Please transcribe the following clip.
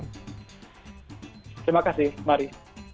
terima kasih mari